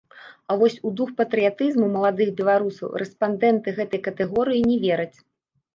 А вось у дух патрыятызму маладых беларусаў рэспандэнты гэтай катэгорыі не вераць.